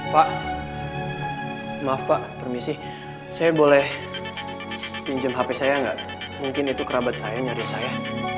pak maaf pak permisi saya boleh pinjam hp saya nggak mungkin itu kerabat saya nyari saya